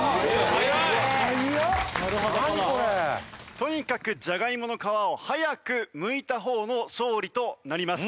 とにかくじゃがいもの皮を早くむいた方の勝利となります。